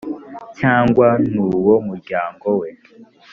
cyangwa n uwo mu muryango we